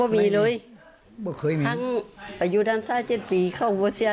มักเล่นมักอะไร